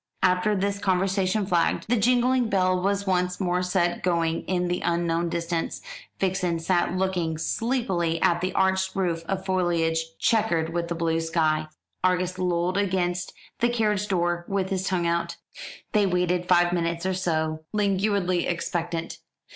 After this conversation flagged. The jingling bell was once more set going in the unknown distance; Vixen sat looking sleepily at the arched roof of foliage chequered with blue sky. Argus lolled against the carriage door with his tongue out. They waited five minutes or so, languidly expectant.